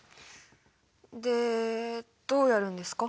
でどうやるんですか？